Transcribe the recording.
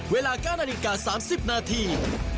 เวลาก้านอนิกา๓๐นาที